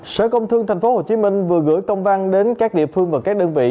sở công thương tp hcm vừa gửi công văn đến các địa phương và các đơn vị